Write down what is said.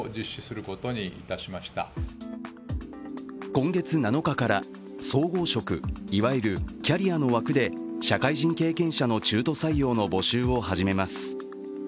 今月７日から総合職いわゆるキャリアの枠で社会人経験者の中途採用の募集を始めます。